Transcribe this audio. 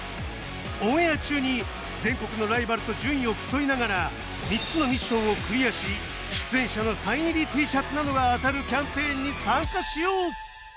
オンエア中に全国のライバルと順位を競いながら３つのミッションをクリアし出演者のサイン入りＴシャツなどが当たるキャンペーンに参加しよう！